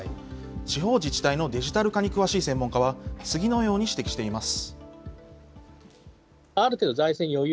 地方自治体のデジタル化に詳しい専門家は、次のように指摘しています。